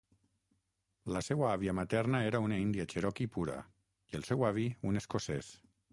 La seua àvia materna era una índia cherokee pura i el seu avi, un escocès.